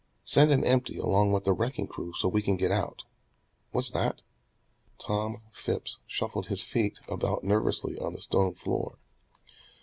Send an empty along with the wrecking crew so we can get out. What's that?" Tom Phipps shuffled his feet about nervously on the stone floor.